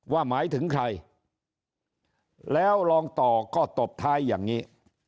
หมายถึงใครแล้วรองต่อก็ตบท้ายอย่างนี้